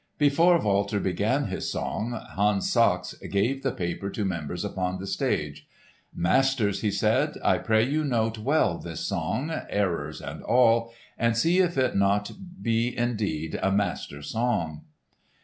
Before Walter began his song, Hans Sachs gave the paper to members upon the stage. "Masters," he said, "I pray you note well this song—errors and all—and see if it be not indeed a Master Song!"